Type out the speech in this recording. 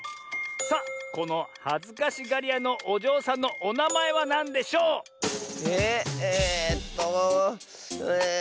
さあこのはずかしがりやのおじょうさんのおなまえはなんでしょう？ええっとえっと